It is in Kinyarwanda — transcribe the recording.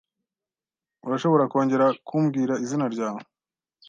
Urashobora kongera kumbwira izina ryawe?